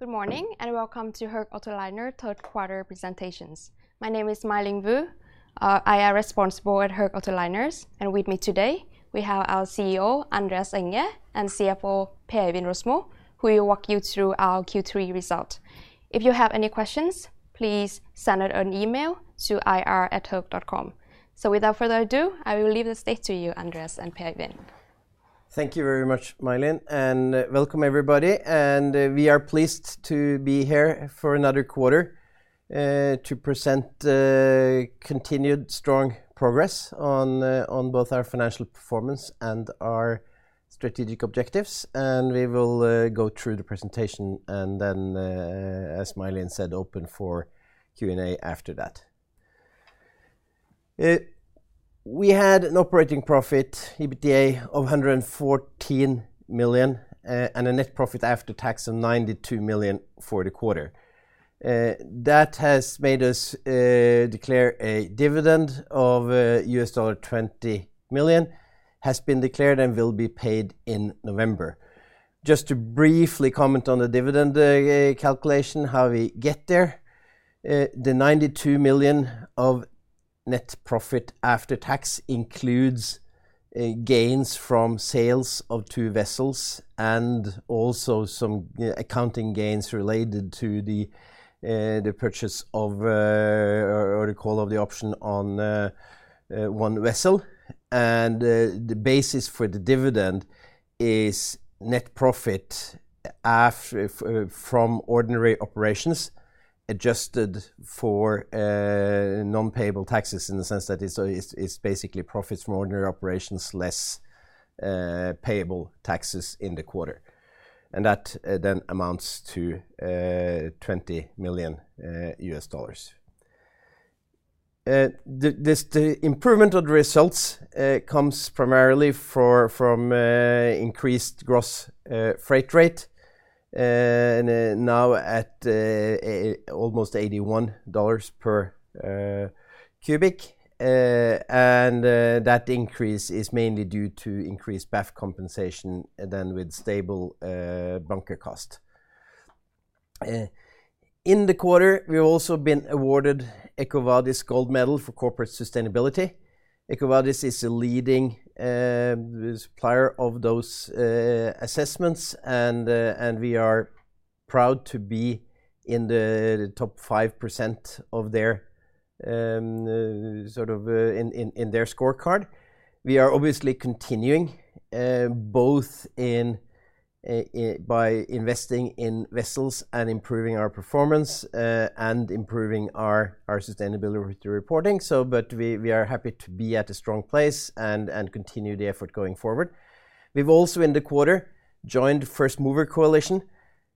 Good morning, and Welcome to Höegh Autoliners Third Quarter Presentations. My name is My Linh Vu. I'am responsible at Höegh Autoliners and with me today, we have our CEO, Andreas Enger, and CFO, Per Øivind Rosmo, who will walk you through our Q3 result. If you have any questions, please send an email to ir@hoegh.com. Without further ado, I will leave the stage to you, Andreas and Per Øivind. Thank you very much, My Linh, and welcome everybody. We are pleased to be here for another quarter to present continued strong progress on both our financial performance and our strategic objectives. We will go through the presentation and then, as My Linh said, open for Q&A after that. We had an operating profit, EBITDA, of $114 million and a net profit after tax of $92 million for the quarter. That has made us declare a dividend of $20 million, which has been declared and will be paid in November. Just to briefly comment on the dividend calculation, how we get there. The $92 million of net profit after tax includes gains from sales of two vessels and also some accounting gains related to the purchase or the call of the option on one vessel. The basis for the dividend is net profit from ordinary operations adjusted for non-payable taxes in the sense that it's basically profits from ordinary operations less payable taxes in the quarter. That then amounts to $20 million. The improvement of the results comes primarily from increased gross freight rate now at almost $81 per cubic. That increase is mainly due to increased BAF compensation with stable bunker cost. In the quarter, we've also been awarded EcoVadis Gold Medal for corporate sustainability. EcoVadis is a leading supplier of those assessments, and we are proud to be in the top 5% of their scorecard. We are obviously continuing both by investing in vessels and improving our performance and improving our sustainability reporting. We are happy to be at a strong place and continue the effort going forward. We've also in the quarter joined First Movers Coalition,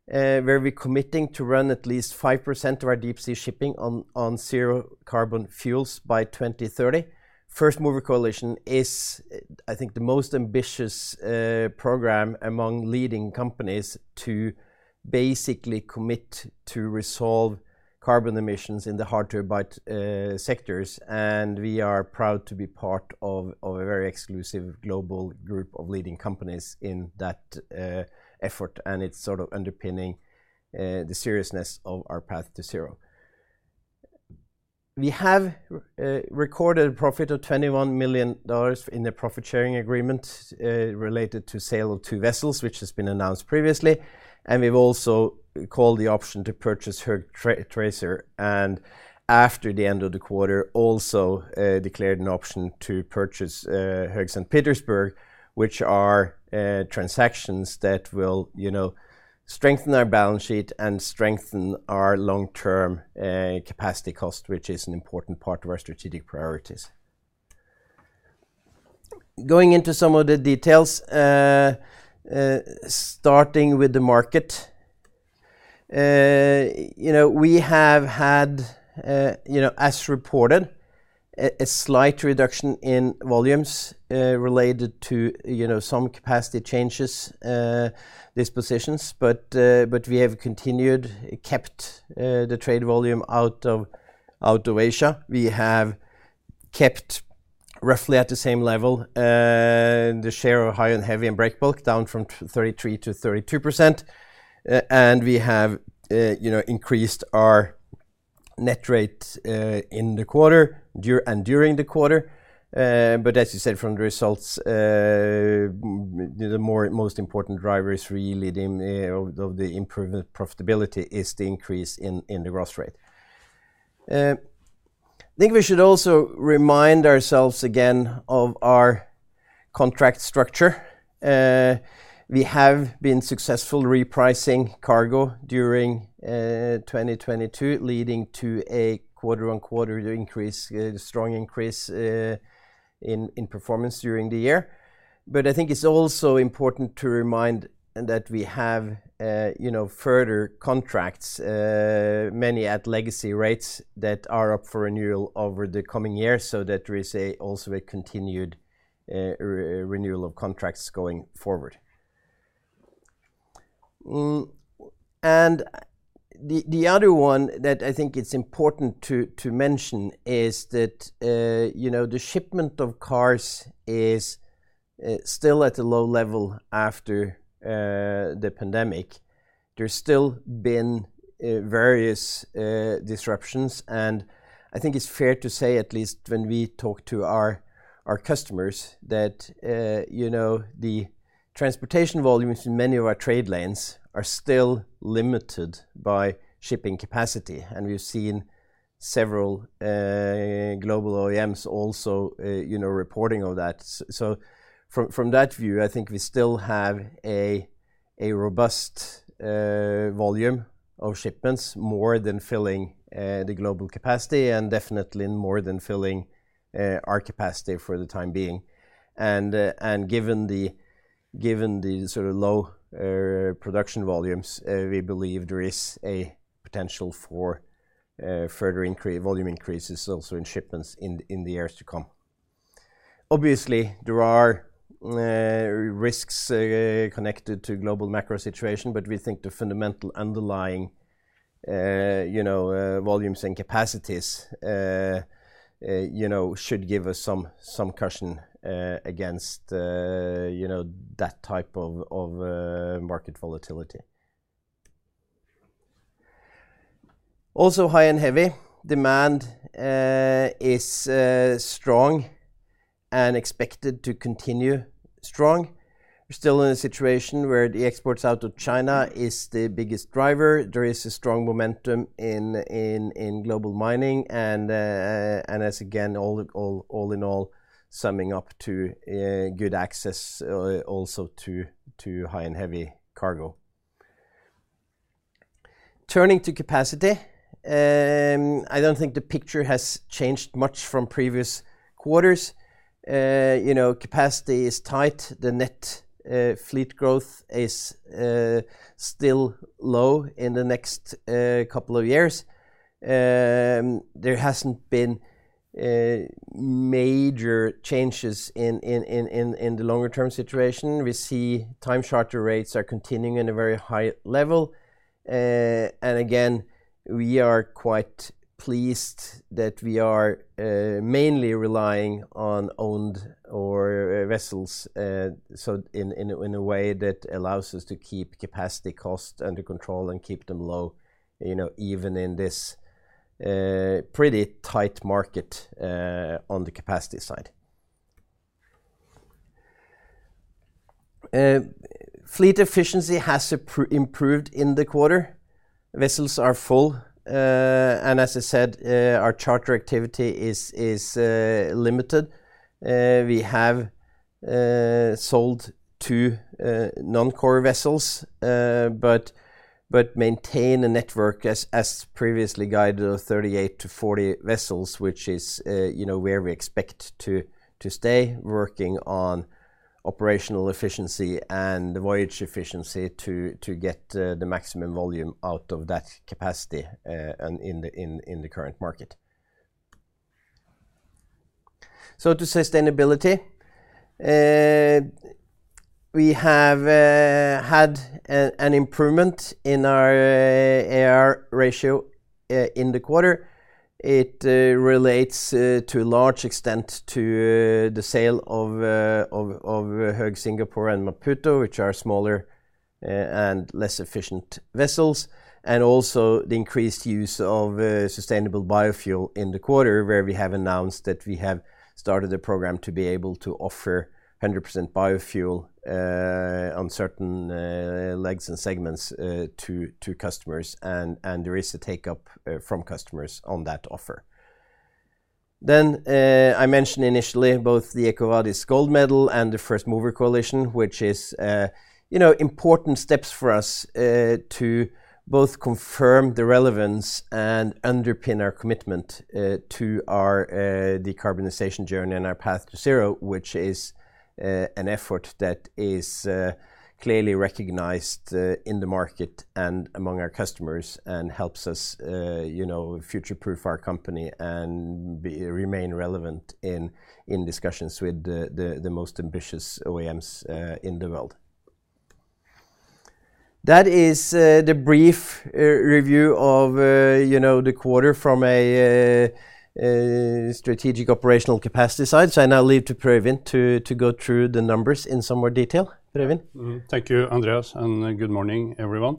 where we're committing to run at least 5% of our deep sea shipping on zero carbon fuels by 2030. First Movers Coalition is, I think, the most ambitious program among leading companies to basically commit to resolve carbon emissions in the hard-to-abate sectors. We are proud to be part of a very exclusive global group of leading companies in that effort, and it's sort of underpinning the seriousness of our path to zero. We have recorded a profit of $21 million in the profit sharing agreement related to sale of two vessels, which has been announced previously. We've also called the option to purchase Höegh Tracer, and after the end of the quarter, also declared an option to purchase Höegh St. Petersburg, which are transactions that will, you know, strengthen our balance sheet and strengthen our long-term capacity cost, which is an important part of our strategic priorities. Going into some of the details, starting with the market, you know, we have had, you know, as reported, a slight reduction in volumes, related to, you know, some capacity changes, dispositions, but we have continued to keep the trade volume out of Asia. We have kept roughly at the same level, the share of high and heavy and break bulk down from 33%-32%. We have, you know, increased our net rate during the quarter. As you said, from the results, the most important driver is really the improvement in profitability is the increase in the gross rate. I think we should also remind ourselves again of our contract structure. We have been successful repricing cargo during 2022, leading to a quarter-on-quarter increase, a strong increase, in performance during the year. I think it's also important to remind that we have, you know, further contracts, many at legacy rates that are up for renewal over the coming years so that there is also a continued renewal of contracts going forward. The other one that I think it's important to mention is that, you know, the shipment of cars is still at a low level after the pandemic. There's still been various disruptions, and I think it's fair to say at least when we talk to our customers that, you know, the transportation volumes in many of our trade lanes are still limited by shipping capacity. We've seen several global OEMs also you know reporting of that. From that view, I think we still have a robust volume of shipments more than filling the global capacity and definitely more than filling our capacity for the time being. Given the sort of low production volumes, we believe there is a potential for further volume increases also in shipments in the years to come. Obviously, there are risks connected to global macro situation, but we think the fundamental underlying you know volumes and capacities you know should give us some cushion against you know that type of of market volatility. Also, high and heavy demand is strong and expected to continue strong. We're still in a situation where the exports out of China is the biggest driver. There is a strong momentum in global mining and as again, in all, summing up to a good access, also to high and heavy cargo. Turning to capacity, I don't think the picture has changed much from previous quarters. You know, capacity is tight. The net fleet growth is still low in the next couple of years. There hasn't been major changes in the longer-term situation. We see time charter rates are continuing in a very high level. We are quite pleased that we are mainly relying on owned, our vessels, so in a way that allows us to keep capacity cost under control and keep them low, you know, even in this pretty tight market on the capacity side. Fleet efficiency has improved in the quarter. Vessels are full, and as I said, our charter activity is limited. We have sold two Non-Core Vessels, but maintain a network as previously guided of 38-40 vessels, which is, you know, where we expect to stay working on operational efficiency and voyage efficiency to get the maximum volume out of that capacity, and in the current market. To sustainability, we have had an improvement in our AER ratio in the quarter. It relates to a large extent to the sale of Höegh Singapore and Höegh Maputo, which are smaller and less efficient vessels, and also the increased use of sustainable biofuel in the quarter where we have announced that we have started a program to be able to offer 100% biofuel on certain legs and segments to customers and there is a take-up from customers on that offer. I mentioned initially both the EcoVadis Gold Medal and the First Movers Coalition, which is, you know, important steps for us, to both confirm the relevance and underpin our commitment, to our, decarbonization journey and our path to zero, which is, an effort that is, clearly recognized, in the market and among our customers and helps us, you know, future-proof our company and remain relevant in, discussions with the most ambitious OEMs, in the world. That is, the brief review of, you know, the quarter from a strategic operational capacity side. I now leave to Per Øivind to go through the numbers in some more detail. Per Øivind? Thank you, Andreas, and good morning, everyone.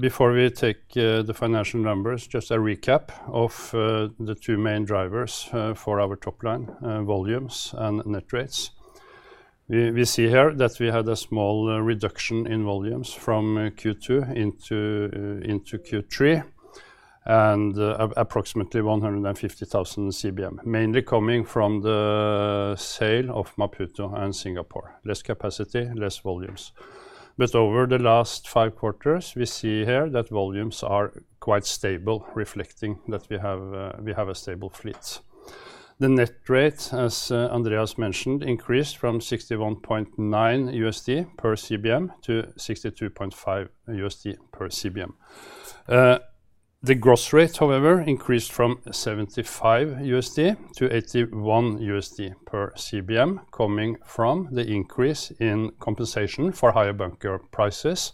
Before we take the financial numbers, just a recap of the two main drivers for our top line, volumes and net rates. We see here that we had a small reduction in volumes from Q2 into Q3 and approximately 150,000 CBM, mainly coming from the sale of Maputo and Singapore. Less capacity, less volumes. Over the last five quarters, we see here that volumes are quite stable, reflecting that we have a stable fleet. The net rate, as Andreas mentioned, increased from $61.9 per CBM to $62.5 per CBM. The gross rate, however, increased from $75 to $81 per CBM, coming from the increase in compensation for higher bunker prices,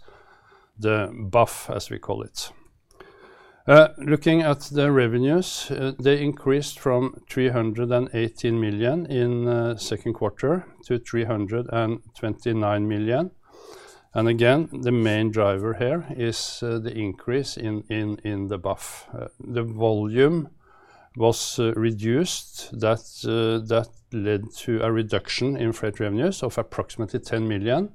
the BAF, as we call it. Looking at the revenues, they increased from $318 million in second quarter to $329 million. Again, the main driver here is the increase in the BAF. The volume was reduced. That led to a reduction in freight revenues of approximately $10 million.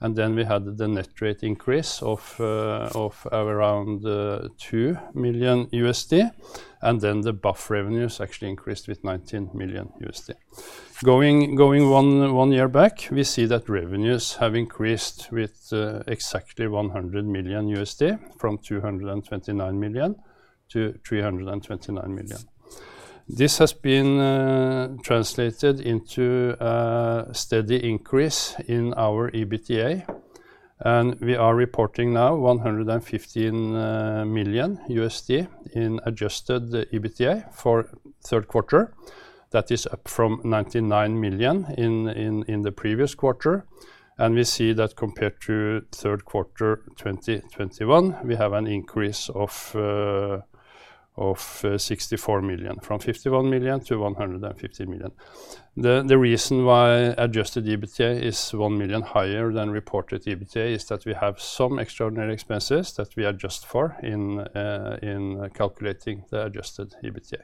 Then we had the net rate increase of around $2 million. Then the BAF revenues actually increased with $19 million. Going one year back, we see that revenues have increased with exactly $100 million from $229 million to $329 million. This has been translated into a steady increase in our EBITDA, and we are reporting now $115 million in adjusted EBITDA for third quarter. That is up from $99 million in the previous quarter. We see that compared to third quarter 2021, we have an increase of $64 million, from $51 million to $115 million. The reason why adjusted EBITDA is $1 million higher than reported EBITDA is that we have some extraordinary expenses that we adjust for in calculating the adjusted EBITDA.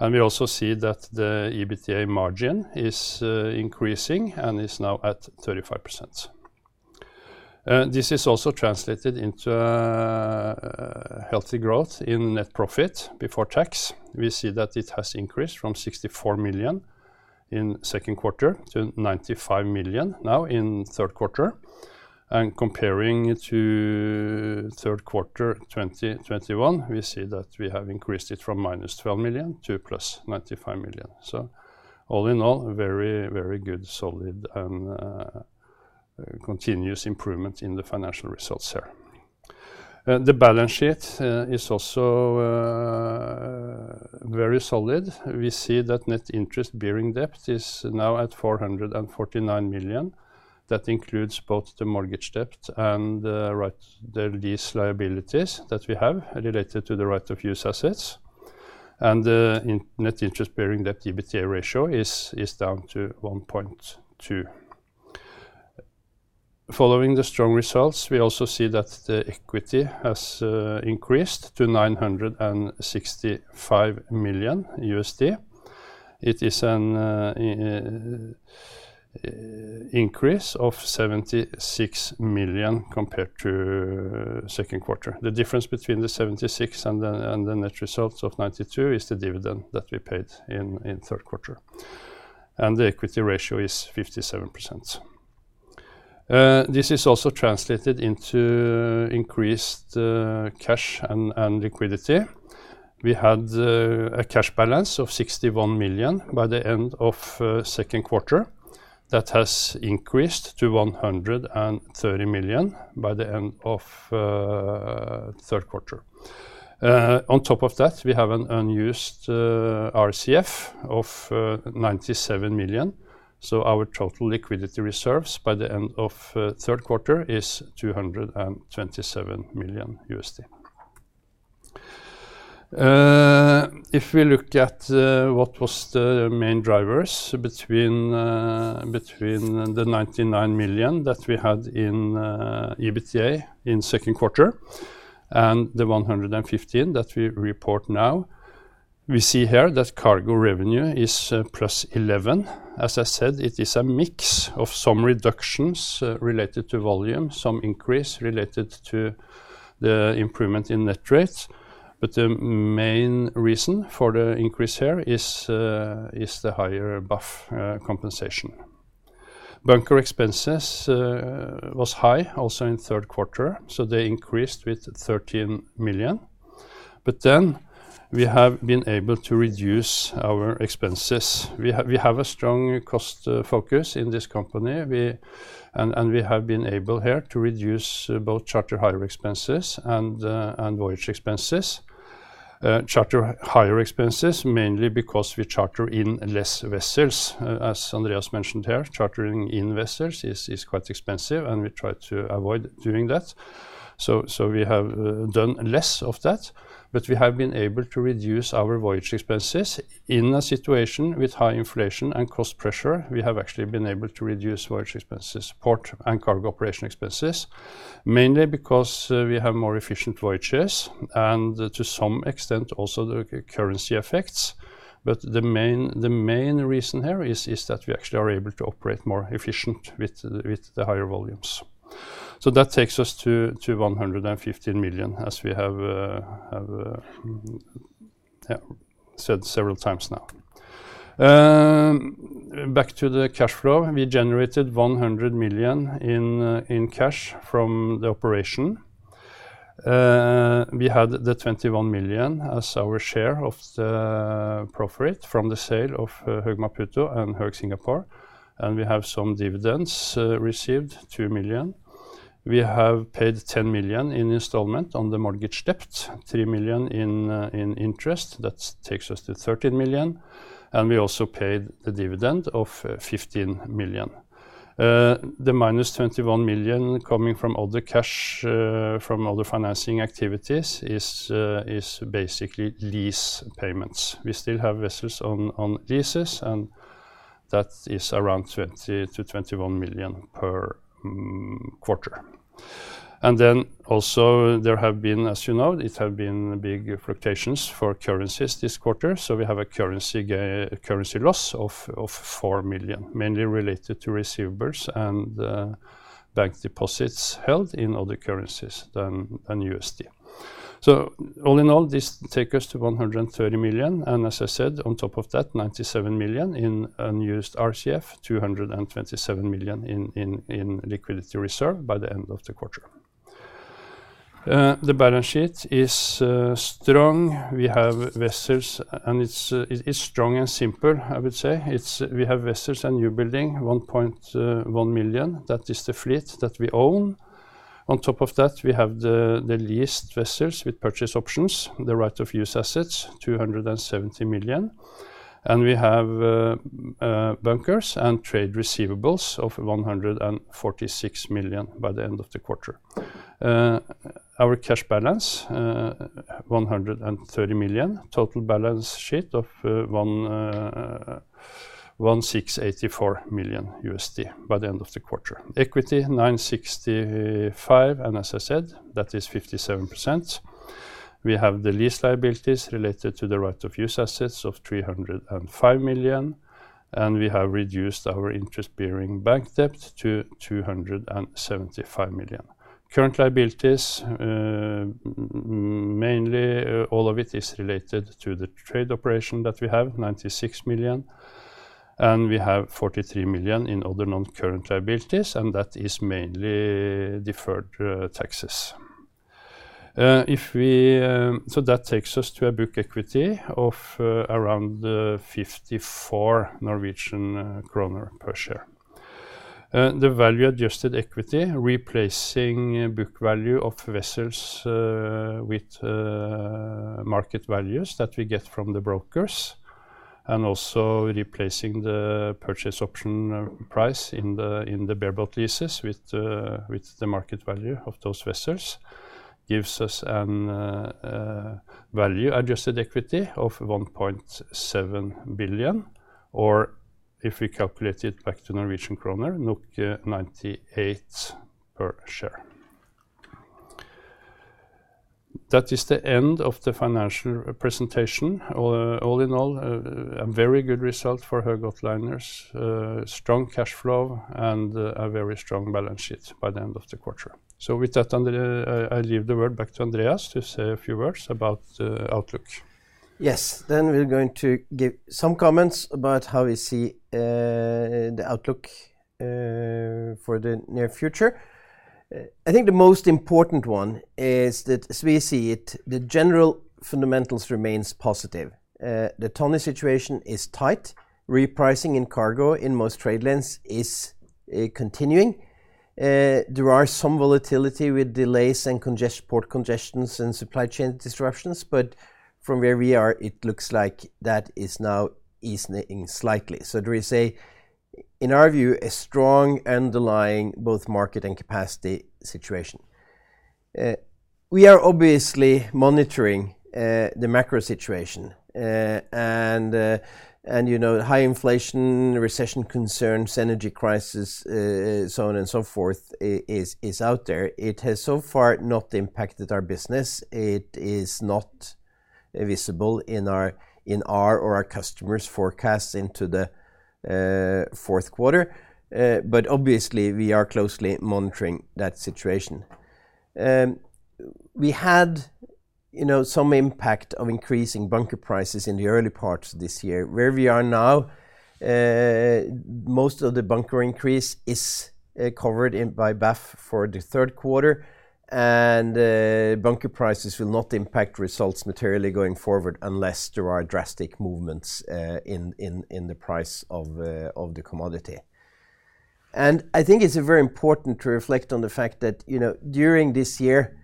We also see that the EBITDA margin is increasing and is now at 35%. This is also translated into healthy growth in net profit before tax. We see that it has increased from $64 million in second quarter to $95 million now in third quarter. Comparing to third quarter 2021, we see that we have increased it from -$12 million to +$95 million. All in all, very, very good, solid, and continuous improvement in the financial results here. The balance sheet is also very solid. We see that net interest-bearing debt is now at $449 million. That includes both the mortgage debt and the lease liabilities that we have related to the right-of-use assets. The net interest-bearing debt EBITDA ratio is down to 1.2. Following the strong results, we also see that the equity has increased to $965 million. It is an increase of $76 million compared to second quarter. The difference between the $76 million and the net results of $92 million is the dividend that we paid in third quarter. The equity ratio is 57%. This is also translated into increased cash and liquidity. We had a cash balance of $61 million by the end of second quarter. That has increased to $130 million by the end of third quarter. On top of that, we have an unused RCF of $97 million. Our total liquidity reserves by the end of third quarter is $227 million. If we look at what was the main drivers between the $99 million that we had in EBITDA in second quarter and the $115 million that we report now, we see here that cargo revenue is +$11 million. As I said, it is a mix of some reductions related to volume, some increase related to the improvement in net rates. The main reason for the increase here is the higher BAF compensation. Bunker expenses was high also in third quarter, so they increased with $13 million. We have been able to reduce our expenses. We have a strong cost focus in this company. And we have been able here to reduce both Charter-hire expenses and voyage expenses. Charter-hire expenses mainly because we charter in less vessels. As Andreas mentioned here, chartering in vessels is quite expensive, and we try to avoid doing that. So we have done less of that, but we have been able to reduce our voyage expenses. In a situation with high inflation and cost pressure, we have actually been able to reduce voyage expenses, port and cargo operation expenses, mainly because we have more efficient voyages and to some extent also the currency effects. The main reason here is that we actually are able to operate more efficient with the higher volumes. That takes us to $115 million as we have said several times now. Back to the cash flow. We generated $100 million in cash from the operation. We had the $21 million as our share of the profit from the sale of Höegh Maputo and Höegh Singapore, and we have some dividends received, $2 million. We have paid $10 million in installment on the mortgage debt, $3 million in interest. That takes us to $13 million, and we also paid the dividend of $15 million. The -$21 million coming from all the cash from all the financing activities is basically lease payments. We still have vessels on leases, and that is around $20 million-$21 million per quarter. Then also there have been, as you know, big fluctuations for currencies this quarter, so we have a currency loss of $4 million, mainly related to receivables and bank deposits held in other currencies than USD. All in all this take us to $130 million, and as I said, on top of that, $97 million in unused RCF, $227 million in liquidity reserve by the end of the quarter. The balance sheet is strong. It is strong and simple, I would say. We have vessels and newbuildings, $1.1 million. That is the fleet that we own. On top of that, we have the leased vessels with Purchase Options, the right-of-use assets, $270 million, and we have bunkers and trade receivables of $146 million by the end of the quarter. Our cash balance $130 million. Total balance sheet of $1,684 million by the end of the quarter. Equity, $965 million, and as I said, that is 57%. We have the lease liabilities related to the right-of-use assets of $305 million, and we have reduced our interest-bearing bank debt to $275 million. Current liabilities mainly all of it is related to the trade operation that we have, $96 million, and we have $43 million in other non-current liabilities, and that is mainly deferred taxes. That takes us to a book equity of around 54 Norwegian kroner per share. The value-adjusted equity replacing book value of vessels with market values that we get from the brokers and also replacing the Purchase Option price in the bareboat leases with the market value of those vessels gives us a value-adjusted equity of $1.7 billion, or if we calculate it back to Norwegian kroner, NOK 98 per share. That is the end of the financial presentation. All in all, a very good result for Höegh Autoliners. Strong cash flow and a very strong balance sheet by the end of the quarter. With that I leave the word back to Andreas to say a few words about outlook. Yes. We're going to give some comments about how we see the outlook for the near future. I think the most important one is that as we see it, the general fundamentals remains positive. The tonnage situation is tight. Repricing in cargo in most trade lanes is continuing. There are some volatility with delays and port congestions and supply chain disruptions, but from where we are, it looks like that is now easing slightly. There is, in our view, a strong underlying both market and capacity situation. We are obviously monitoring the macro situation. You know, high inflation, recession concerns, energy crisis, so on and so forth, is out there. It has so far not impacted our business. It is not visible in our or our customers' forecasts into the fourth quarter. Obviously we are closely monitoring that situation. We had, you know, some impact of increasing bunker prices in the early part this year. Where we are now, most of the bunker increase is covered in by BAF for the third quarter, and bunker prices will not impact results materially going forward unless there are drastic movements in the price of the commodity. I think it's very important to reflect on the fact that, you know, during this year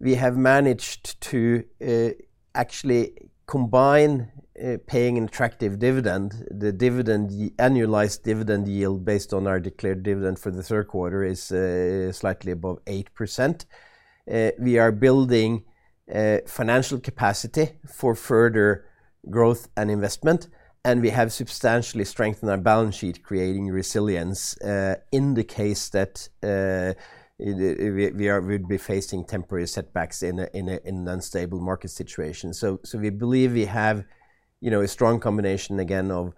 we have managed to actually combine paying an attractive dividend. The annualized dividend yield based on our declared dividend for the third quarter is slightly above 8%. We are building financial capacity for further growth and investment, and we have substantially strengthened our balance sheet, creating resilience in the case that we'd be facing temporary setbacks in an unstable market situation. We believe we have, you know, a strong combination again of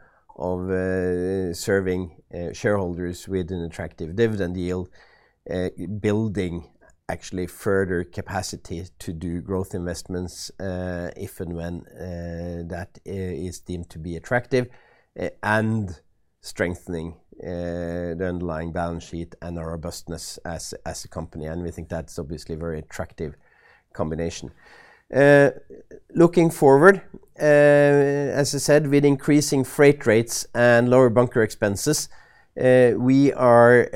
serving shareholders with an attractive dividend yield, building actually further capacity to do growth investments if and when that is deemed to be attractive, and strengthening the underlying balance sheet and our robustness as a company, and we think that's obviously a very attractive combination. Looking forward, as I said, with increasing freight rates and lower bunker expenses, we are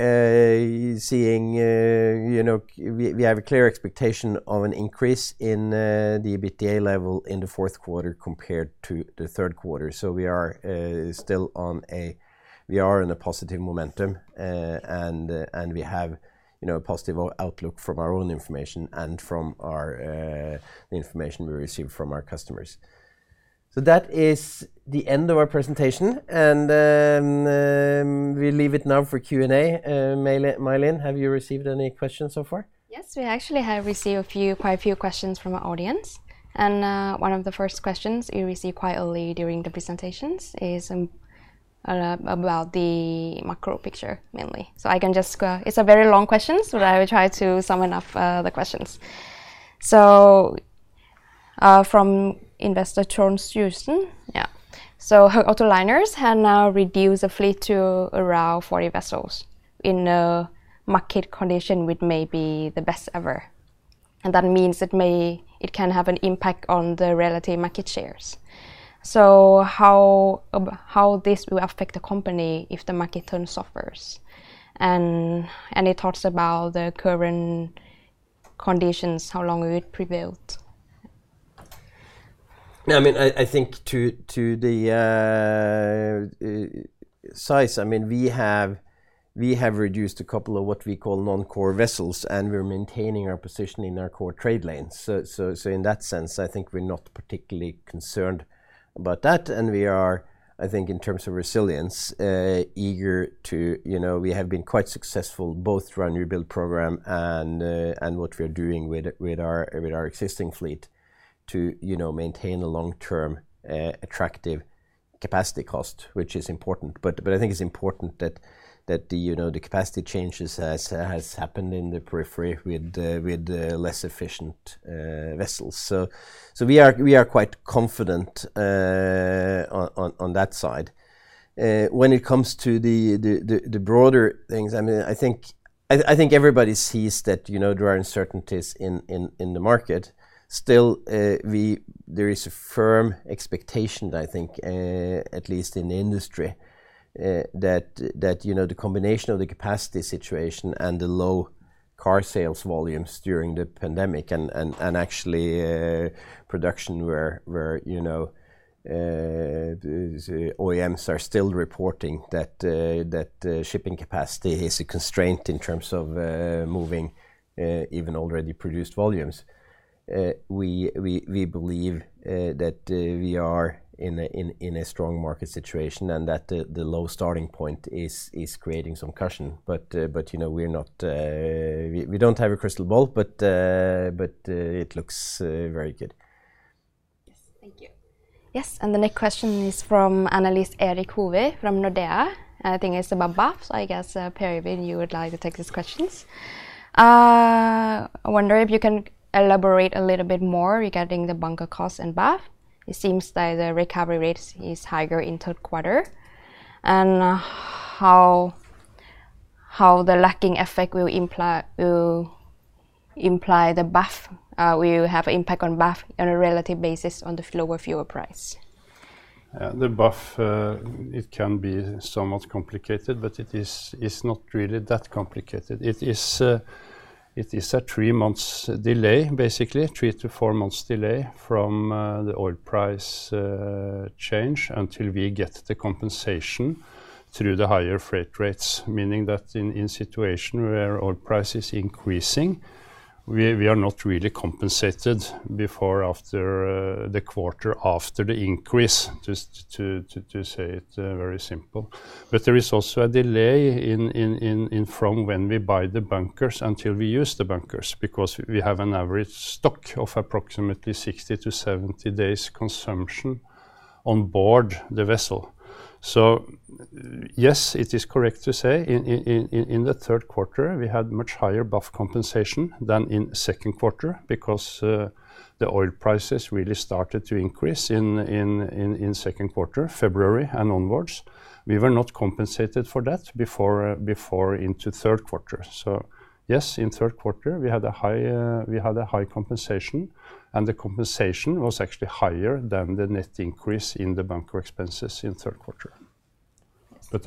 seeing, you know, we have a clear expectation of an increase in the EBITDA level in the fourth quarter compared to the third quarter. We are still in a positive momentum. We have, you know, a positive outlook from our own information and from the information we receive from our customers. That is the end of our presentation, and we leave it now for Q&A. ,My Linh you received any questions so far? Yes, we actually have received a few, quite a few questions from our audience. One of the first questions we received quite early during the presentations is about the macro picture mainly. I can just. It's a very long question, so I will try to sum up the questions. From investor Trond Syversen. Yeah. Autoliners have now reduced the fleet to around 40 vessels in a market condition which may be the best ever, and that means it can have an impact on the relative market shares. How this will affect the company if the market downturn, and any thoughts about the current conditions, how long it would prevail? No, I mean, I think to the size, I mean, we have reduced a couple of what we call Non-Core Vessels, and we're maintaining our position in our core trade lanes. In that sense, I think we're not particularly concerned about that, and we are, I think, in terms of resilience. You know, we have been quite successful both through our new build program and what we're doing with our existing fleet to you know, maintain a long-term attractive capacity cost, which is important. I think it's important that the capacity changes has happened in the periphery with less efficient vessels. We are quite confident on that side. When it comes to the broader things, I mean, I think everybody sees that, you know, there are uncertainties in the market. Still, there is a firm expectation, I think, at least in the industry, that, you know, the combination of the capacity situation and the low car sales volumes during the pandemic and actually production where, you know, OEMs are still reporting that shipping capacity is a constraint in terms of moving even already produced volumes. We believe that we are in a strong market situation and that the low starting point is creating some cushion. You know, we don't have a crystal ball, but it looks very good. Yes. Thank you. Yes, the next question is from analyst Erik Hovi from Nordea, and I think it's about BAF. I guess, Per Øivind, you would like to take these questions. I wonder if you can elaborate a little bit more regarding the bunker cost and BAF. It seems that the recovery rate is higher in third quarter, and how the lagging effect will imply the BAF will have impact on BAF on a relative basis on the lower fuel price. The BAF, it can be somewhat complicated, but it's not really that complicated. It is a 3-4 months delay, basically, from the oil price change until we get the compensation through the higher freight rates. Meaning that in situation where oil price is increasing, we are not really compensated before or after the quarter after the increase, just to say it very simple. There is also a delay in from when we buy the bunkers until we use the bunkers because we have an average stock of approximately 60-70 days consumption on board the vessel. Yes, it is correct to say in the third quarter, we had much higher BAF compensation than in second quarter because the oil prices really started to increase in second quarter, February and onwards. We were not compensated for that before into third quarter. Yes, in third quarter, we had a high compensation, and the compensation was actually higher than the net increase in the bunker expenses in third quarter.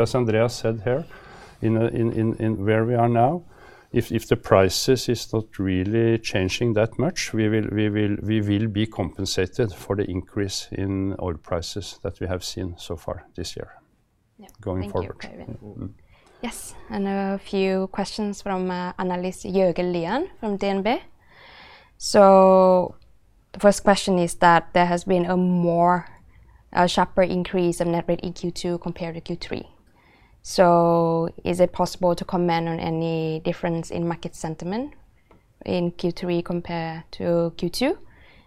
As Andreas said here, in where we are now, if the prices is not really changing that much, we will be compensated for the increase in oil prices that we have seen so far this year. Yeah. Going forward. Thank you, Per Øivind. Mm-hmm. A few questions from analyst Jørgen Lian from DNB. The first question is that there has been a sharper increase of net rate in Q2 compared to Q3. Is it possible to comment on any difference in market sentiment in Q3 compared to Q2,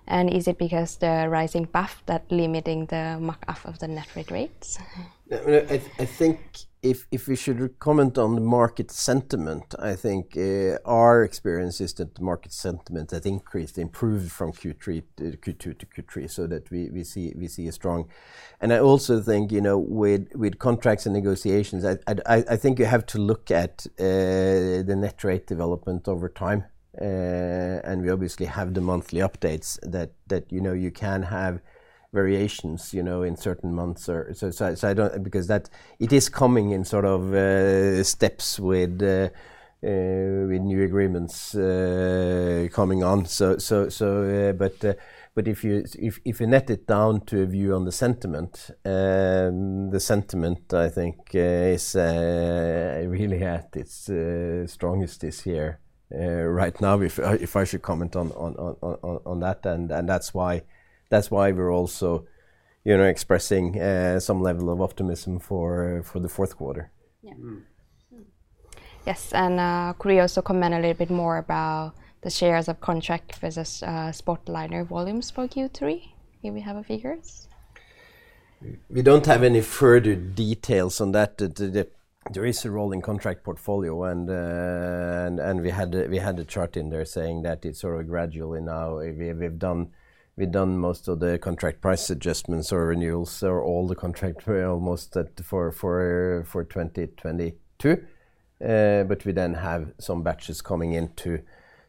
and is it because the rising path that limiting the markup of the net freight rates? Yeah, I think if we should comment on the market sentiment, I think our experience is that the market sentiment had increased, improved from Q2 to Q3, so that we see a strong. I also think, you know, with contracts and negotiations, I think you have to look at the net rate development over time, and we obviously have the monthly updates that you know you can have variations, you know, in certain months or. I don't because that it is coming in sort of with new agreements coming on. If you net it down to a view on the sentiment, the sentiment, I think, is really at its strongest this year, right now if I should comment on that. That's why we're also, you know, expressing some level of optimism for the fourth quarter. Yeah. Mm. Yes, could you also comment a little bit more about the shares of contract versus spot liner volumes for Q3? Do we have figures? We don't have any further details on that. There is a rolling contract portfolio and we had the chart in there saying that it's sort of gradually now, we've done most of the contract price adjustments or renewals or all the contract for almost at for 2022, but we then have some batches coming into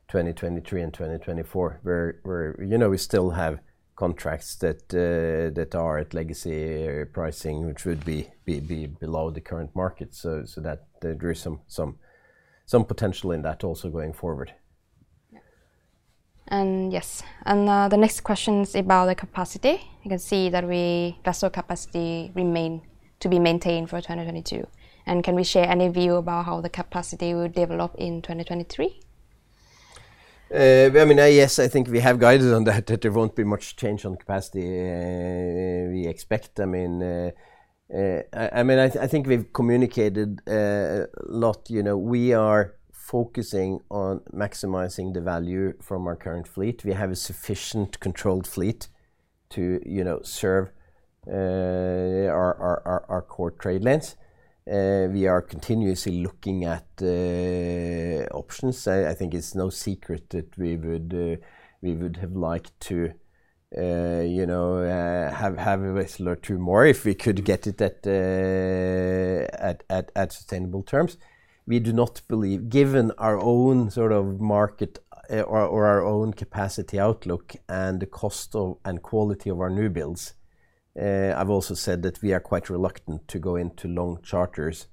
2023 and 2024 where you know we still have contracts that are at legacy pricing, which would be below the current market, so that there is some potential in that also going forward. The next question is about the capacity. You can see that our vessel capacity remains to be maintained for 2022. Can we share any view about how the capacity will develop in 2023? I mean, yes, I think we have guidance on that there won't be much change on capacity, we expect. I mean, I think we've communicated a lot. You know, we are focusing on maximizing the value from our current fleet. We have a sufficient controlled fleet to, you know, serve our core trade lanes. We are continuously looking at options. I think it's no secret that we would have liked to, you know, have a vessel or two more if we could get it at sustainable terms. We do not believe, given our own sort of market or our own capacity outlook and the cost of and quality of our newbuilds. I've also said that we are quite reluctant to go into long charters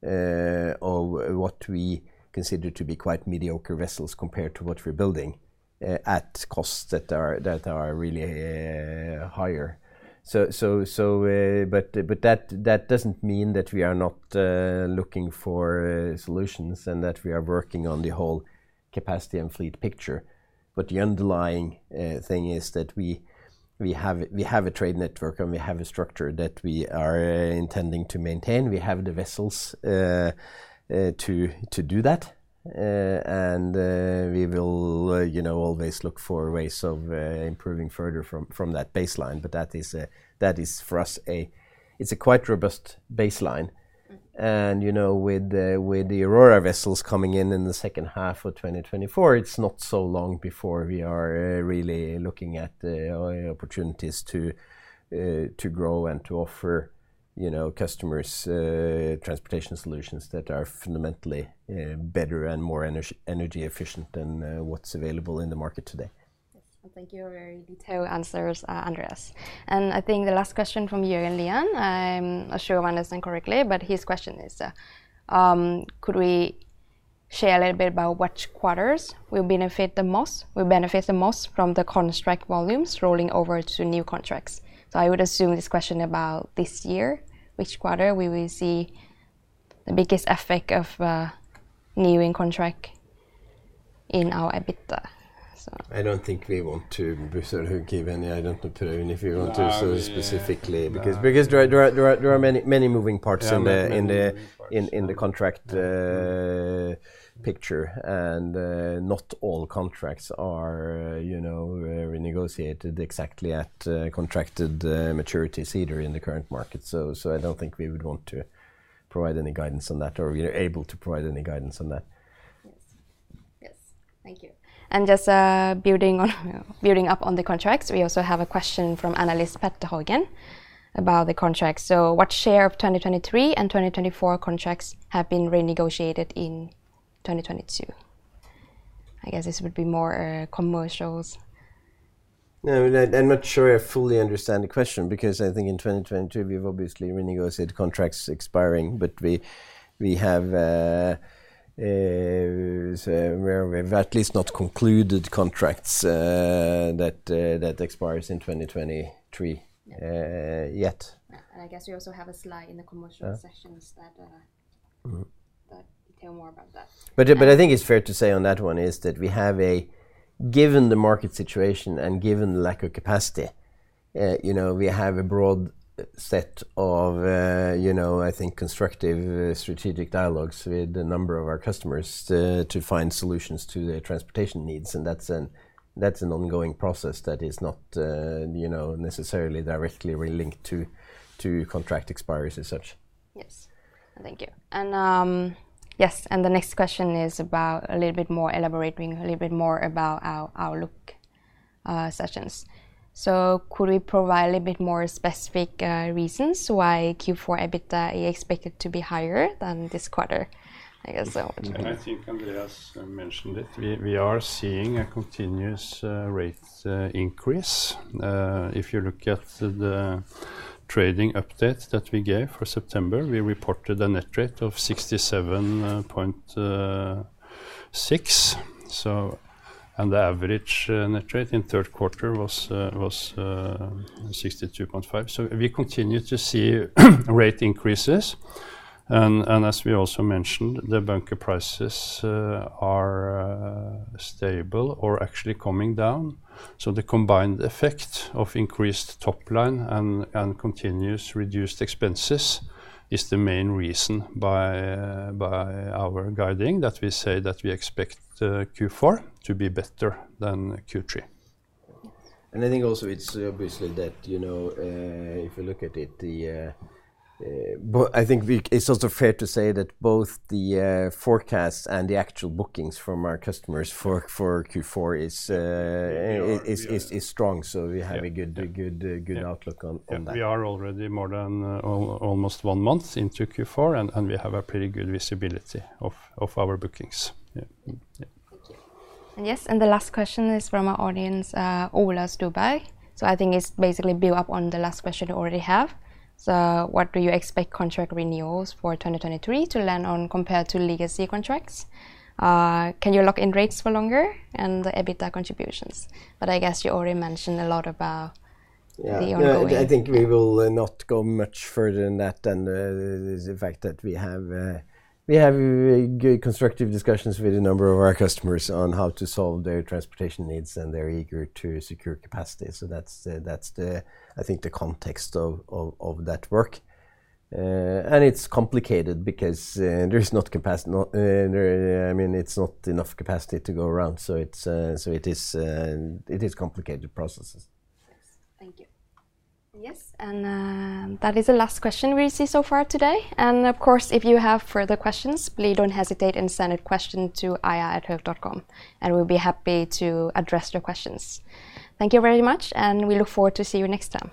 of what we consider to be quite mediocre vessels compared to what we're building at costs that are really higher. But that doesn't mean that we are not looking for solutions and that we are working on the whole capacity and fleet picture. The underlying thing is that we have a trade network, and we have a structure that we are intending to maintain. We have the vessels to do that, and we will you know always look for ways of improving further from that baseline. That is for us a, it's a quite robust baseline. Mm. You know, with the Aurora vessels coming in in the second half of 2024, it's not so long before we are really looking at the opportunities to grow and to offer, you know, customers transportation solutions that are fundamentally better and more energy efficient than what's available in the market today. Yes. Thank you, very detailed answers, Andreas. I think the last question from Jørgen Lian, I'm not sure if I understand correctly, but his question is, could we share a little bit about which quarters will benefit the most from the contract volumes rolling over to new contracts? I would assume this question about this year, which quarter we will see the biggest effect of, new contract in our EBITDA. I don't think we want to sort of give any. I don't know, Torunn, if you want to say specifically. No because there are many moving parts in the Yeah, many, many moving parts. In the contract picture. Not all contracts are, you know, renegotiated exactly at contracted maturities either in the current market. I don't think we would want to provide any guidance on that, or we are able to provide any guidance on that. Yes. Yes. Thank you. Just, building on the contracts, we also have a question from Analyst Petter Haugen about the contracts. What share of 2023 and 2024 contracts have been renegotiated in 2022? I guess this would be more commercials. No, I'm not sure I fully understand the question because I think in 2022, we've obviously renegotiated contracts expiring, but we have, well, we've at least not concluded contracts that expires in 2023 yet. Yeah. I guess we also have a slide in the commercial sessions that, Mm-hmm that detail more about that. I think it's fair to say on that one that we have a, given the market situation and given the lack of capacity. You know, we have a broad set of, you know, I think constructive strategic dialogues with a number of our customers to find solutions to their transportation needs, and that's an ongoing process that is not, you know, necessarily directly linked to contract expiries as such. Yes. Thank you. The next question is about a little bit more elaborating, a little bit more about our look sessions. Could we provide a bit more specific reasons why Q4 EBITDA is expected to be higher than this quarter? I guess so. I think Andreas mentioned it. We are seeing a continuous rate increase. If you look at the trading update that we gave for September, we reported a net rate of $67.6. The average net rate in third quarter was $62.5. We continue to see rate increases and as we also mentioned, the bunker prices are stable or actually coming down. The combined effect of increased top line and continuously reduced expenses is the main reason behind our guidance that we say that we expect Q4 to be better than Q3. Yes. I think also it's obviously that, you know, if you look at it. I think it's also fair to say that both the forecast and the actual bookings from our customers for Q4 is strong. We have a good- Yeah. Good outlook on that. We are already more than almost one month into Q4 and we have a pretty good visibility of our bookings. Yeah. Thank you. Yes, the last question is from our audience, Ola Stuber. I think it's basically builds upon the last question we already have. What do you expect contract renewals for 2023 to land on compared to legacy contracts? Can you lock in rates for longer and the EBITDA contributions? I guess you already mentioned a lot about the ongoing. Yeah. No, I think we will not go much further than the fact that we have good constructive discussions with a number of our customers on how to solve their transportation needs, and they're eager to secure capacity. That's, I think, the context of that work. It's complicated because there's not capacity. I mean, it's not enough capacity to go around. It is complicated processes. Yes. Thank you. Yes, that is the last question we see so far today. Of course, if you have further questions, please don't hesitate and send a question to ir@hoegh.com, and we'll be happy to address your questions. Thank you very much, and we look forward to see you next time.